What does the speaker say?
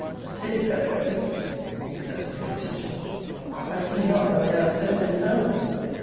'A silly fellow, at least.' Cursed contemptible! 'I see not but they are a set of infernals!'